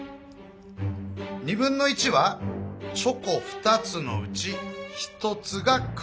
1/2はチョコ２つのうち１つが黒。